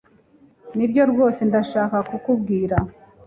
Nibyo rwose ndashaka kukubwira